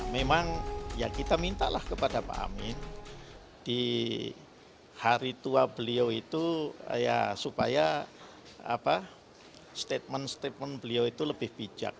memang ya kita mintalah kepada pak amin di hari tua beliau itu ya supaya statement statement beliau itu lebih bijak